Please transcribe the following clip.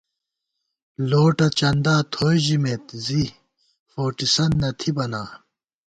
لوٹہ چندا تھوئی ژَمېت زی فوٹِسَنت نہ تھِبہ نا